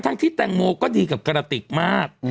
ที่แตงโมก็ดีกับกระติกมาก